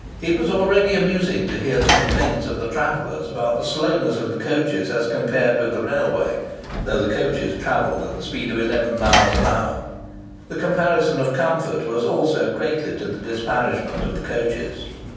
It was already amusing to hear the complaints of the travellers about the slowness of the coaches as compared with the railway, though the coaches travelled at the speed of eleven miles an hour. The comparison of comfort was also greatly to the disparagement of the coaches.